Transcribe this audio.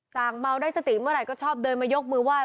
่างเมาได้สติเมื่อไหร่ก็ชอบเดินมายกมือไห้